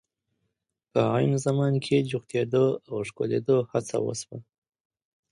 په عین زمان کې جوختېدو او ښکلېدو هڅه وشوه.